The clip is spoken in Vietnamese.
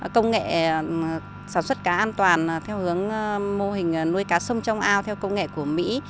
công nghệ sản xuất cá an toàn theo hướng mô hình nuôi cá sông trong ao theo công nghệ của mỹ